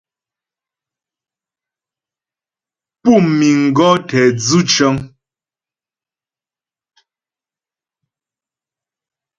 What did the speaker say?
Pú miŋ gɔ̌ tɛ dzʉ cəŋ.